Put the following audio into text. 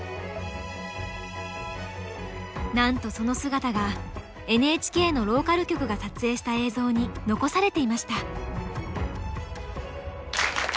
なんとその姿がＮＨＫのローカル局が撮影した映像に残されていました。